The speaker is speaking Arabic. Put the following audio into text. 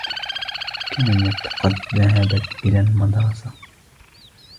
كانت قد ذهبت إلى المدرسة.